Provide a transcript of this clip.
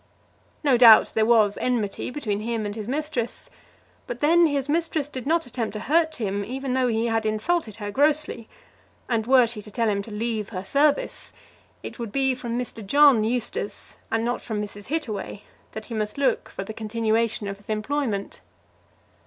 No doubt there was enmity between him and his mistress; but then his mistress did not attempt to hurt him even though he had insulted her grossly; and were she to tell him to leave her service, it would be from Mr. John Eustace, and not from Mrs. Hittaway, that he must look for the continuation of his employment.